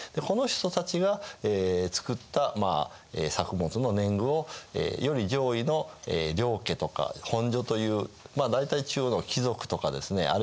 この人たちが作った作物の年貢をより上位の領家とか本所というまあ大体中央の貴族とかですね